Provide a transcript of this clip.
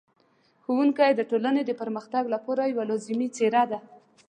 ښوونکی د ټولنې د پرمختګ لپاره یوه لازمي څېره ده.